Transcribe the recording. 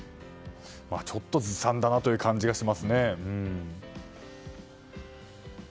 ちょっと、ずさんだなという感じがしますね。